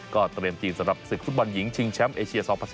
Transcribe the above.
ก็เตรียมทีมสำหรับศึกฟุตบอลหญิงชิงแชมป์เอเชีย๒๐๑๙